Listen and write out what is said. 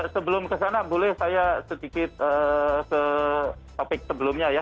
sebelum kesana boleh saya sedikit ke topik sebelumnya ya